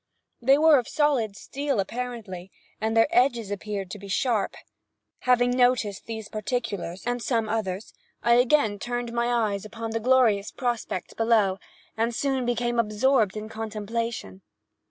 They were of solid steel apparently, and their edges appeared to be sharp. Having noticed these particulars, and some others, I again turned my eyes upon the glorious prospect below, and soon became absorbed in contemplation.